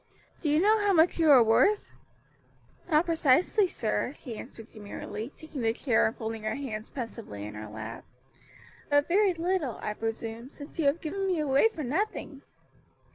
Do you know how much you are worth?" "Not precisely, sir," she answered demurely, taking the chair and folding her hands pensively in her lap; "but very little, I presume, since you have given me away for nothing."